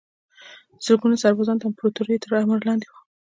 زرګونه سربازان د امپراتوریو تر امر لاندې وو.